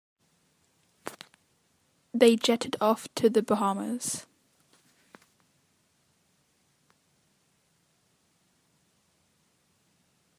They jetted off to the Bahamas.